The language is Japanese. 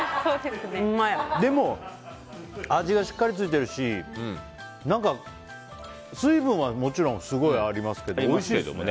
でも、味がしっかりついているし何か、水分はもちろんすごいありますけどおいしいですね。